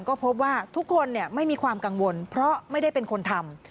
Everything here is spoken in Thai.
ก็พบว่าทุกคนไม่มีความกังวลเพราะไม่ได้เป็นคนทำ